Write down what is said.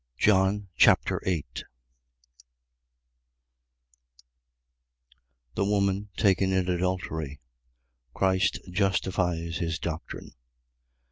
John Chapter 8 The woman taken in adultery. Christ justifies his doctrine.